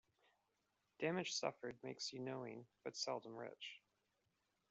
Damage suffered makes you knowing, but seldom rich.